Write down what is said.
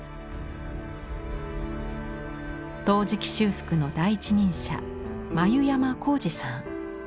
陶磁器修復の第一人者繭山浩司さん。